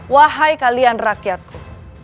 wahai kalian rakyatku